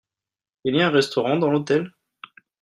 Il y a un restaurant dans l'hôtel ?